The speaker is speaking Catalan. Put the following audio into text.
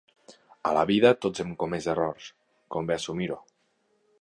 A la vida tots hem comès errors, convé assumir-ho.